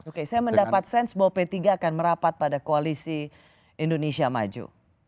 oke saya mendapat sense bahwa p tiga akan merapat pada koalisi indonesia maju